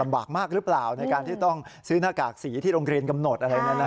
บากมากหรือเปล่าในการที่ต้องซื้อหน้ากากสีที่โรงเรียนกำหนดอะไร